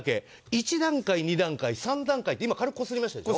１段階、２段階、３段階と今、軽くこすりましたでしょ？